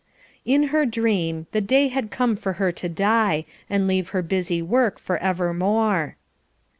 In her dream, the day had come for her to die, and leave her busy work for evermore.